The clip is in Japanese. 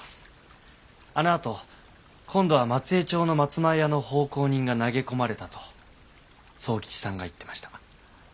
あのあと今度は松枝町の松前屋の奉公人が投げ込まれたと左右吉さんが言ってました。